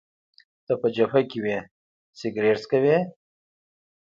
ته په جبهه کي وې، سګرېټ څکوې؟